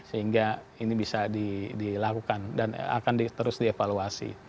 sehingga ini bisa dilakukan dan akan terus dievaluasi